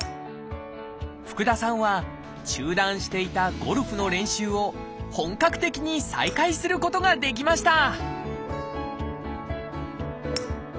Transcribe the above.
福田さんは中断していたゴルフの練習を本格的に再開することができました！